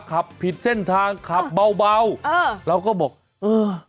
ขับผิดเส้นทางขับเบาแล้วก็บอกเออ